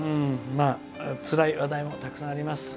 つらい話題もたくさんあります。